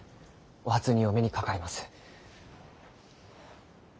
お初にお目にかかります。